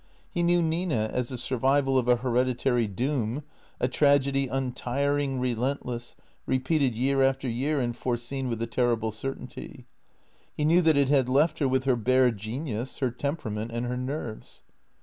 He knew Nina as the survival of a hereditary doom, a tragedy untiring, relentless, repeated year after year and foreseen with a terrible certainty. He knew that it had left her with her bare genius, her temperament and her nerves.